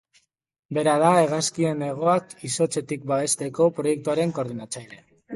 Bera da hegazkinen hegoak izotzetik babesteko proiektuaren koordinatzailea.